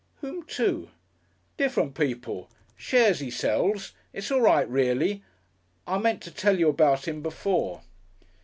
"Whom to?" "Different people. Shares he sells.... It's all right, reely I meant to tell you about him before."